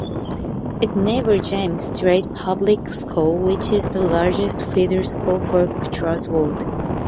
It neighbors James Strath Public School, which is the largest feeder school for Crestwood.